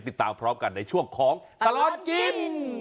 ติดตามพร้อมกันในช่วงของตลอดกิน